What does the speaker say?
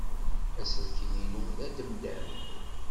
Aselkim-inu d ademdam.